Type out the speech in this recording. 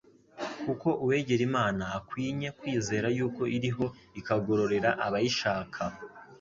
kuko uwegera Imana akwinye kwizera yuko iriho ikagororera abayishaka.»